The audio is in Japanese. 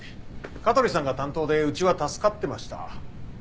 香取さんが担当でうちは助かってました。